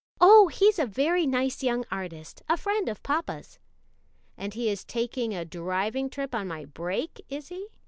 "Oh, he's a very nice young artist, a friend of papa's." "And he is taking a driving trip on my break, is he?"